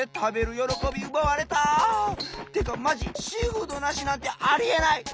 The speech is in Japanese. よろこびうばわれた！ってかマジシーフードなしなんてありえない！